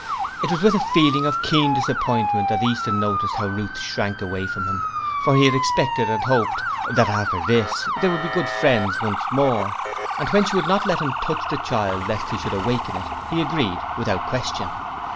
It was with a feeling of keen disappointment that Easton noticed how Ruth shrank away from him, for he had expected and hoped, that after this, they would be good friends once more; but he tried to think that it was because she was ill, and when she would not let him touch the child lest he should awaken it, he agreed without question.